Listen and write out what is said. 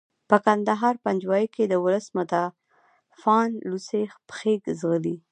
په کندهار پنجوايي کې د ولس مدافعان لوڅې پښې ځغلي.